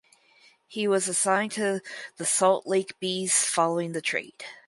He was assigned to the Salt Lake Bees following the trade.